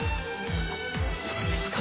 そうですか。